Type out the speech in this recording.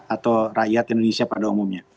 atau rakyat indonesia pada umumnya